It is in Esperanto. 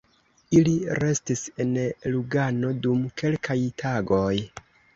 Ili restis en Lugano dum kelkaj tagoj.